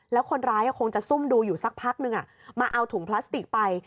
แล้วคนร้ายคงจะซุ่มดูอยู่สักพักนึงมาเอาถุงพลาสติกไป